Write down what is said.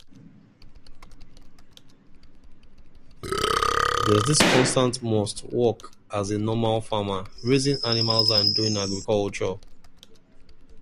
There, the contestants must work as a normal farmer, raising animals and doing agriculture.